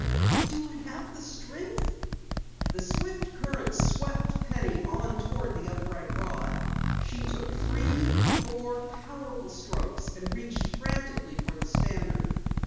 "But do I have the strength?" The swift current swept Penny on toward the upright rod. She took three, four powerful strokes and reached frantically for the standard.